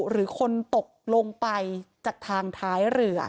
หรือคนตกลงไปจากทางท้ายเรือ